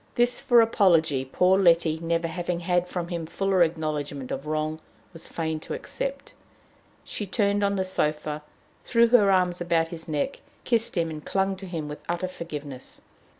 This for apology poor Letty, never having had from him fuller acknowledgment of wrong, was fain to accept. She turned on the sofa, threw her arms about his neck, kissed him, and clung to him with an utter forgiveness.